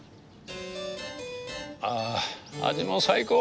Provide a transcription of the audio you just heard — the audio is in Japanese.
あ味も最高。